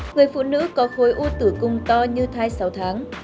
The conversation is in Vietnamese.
người phụ nữ có khối u tử cung to như thai sáu tháng